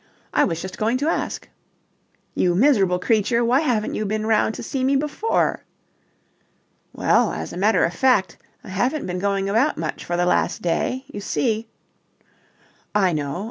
I was just going to ask." "You miserable creature, why haven't you been round to see me before?" "Well, as a matter of fact, I haven't been going about much for the last day. You see..." "I know.